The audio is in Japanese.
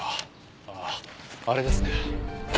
あああれですね。